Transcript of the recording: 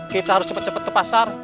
kita harus cepet cepet ke pasar